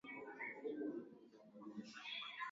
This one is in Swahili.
ini kama mtu ameshindwa kutumikia jamii